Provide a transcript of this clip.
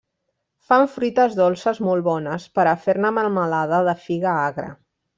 Fan fruites dolces molt bones per a fer-ne melmelada de figa agra.